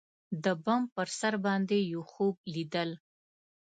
د بام پر سر باندی یوخوب لیدل